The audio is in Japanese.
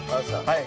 はい。